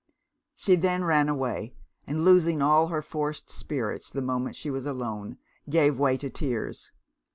She then ran away, and losing all her forced spirits the moment she was alone, gave way to tears.